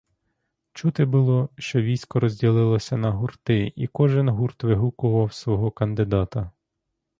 Чути було, що військо розділилося на гурти і кожен гурт вигукував свого кандидата.